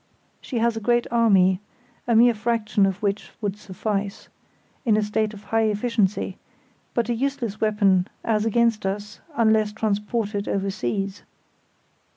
She has a great army (a mere fraction of which would suffice) in a state of high efficiency, but a useless weapon, as against us, unless transported over seas.